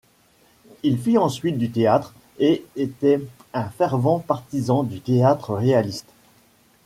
Il fit ensuite du théâtre et était un fervent partisan du théâtre réaliste.